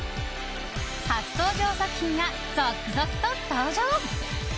初登場作品が続々と登場。